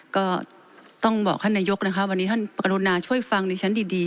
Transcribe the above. ก็ต้องบอกท่านนายกนะคะวันนี้ท่านกรุณาช่วยฟังในชั้นดี